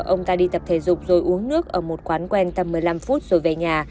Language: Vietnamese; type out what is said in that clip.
ông ta đi tập thể dục rồi uống nước ở một quán quen tầm một mươi năm phút rồi về nhà